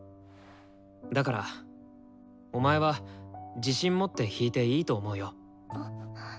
だからお前は自信持って弾いていいと思うよ。